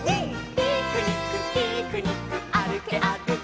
「ピクニックピクニックあるけあるけ」